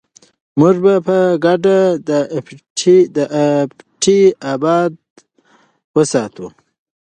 موږ به په ګډه دا پټی اباد وساتو.